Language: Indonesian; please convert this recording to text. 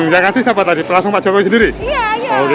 ya kan sih siapa tadi pelasung pak jokowi sendiri iya iya